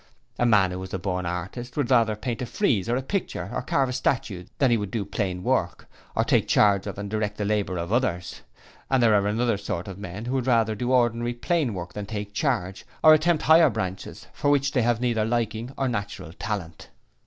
A man who is a born artist would rather paint a frieze or a picture or carve a statue than he would do plain work, or take charge of and direct the labour of others. And there are another sort of men who would rather do ordinary plain work than take charge, or attempt higher branches for which they have neither liking or natural talent.